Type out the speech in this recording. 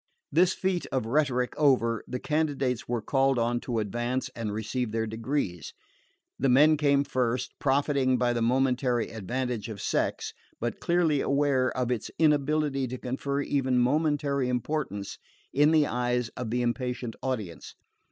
This feat of rhetoric over, the candidates were called on to advance and receive their degrees. The men came first, profiting by the momentary advantage of sex, but clearly aware of its inability to confer even momentary importance in the eyes of the impatient audience.